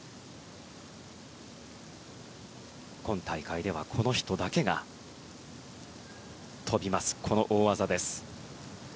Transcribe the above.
今大会ではこの人だけが飛ぶ、この大技。